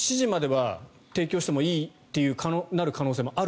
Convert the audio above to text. ７時までは営業してもいいとなる可能性はある？